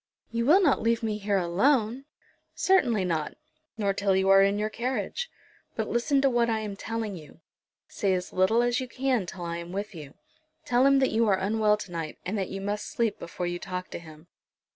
"You will not leave me here alone?" "Certainly not, nor till you are in your carriage. But listen to what I am telling you. Say as little as you can till I am with you. Tell him that you are unwell to night, and that you must sleep before you talk to him."